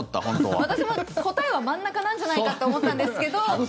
私も答えは真ん中なんじゃないかって思ったんですけど。